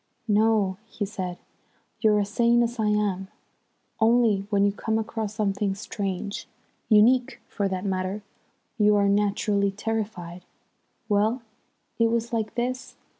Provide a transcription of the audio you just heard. "No," he said, "you're as sane as I am, only when you come across something strange, unique for that matter, you are naturally terrified. Well, it was like this.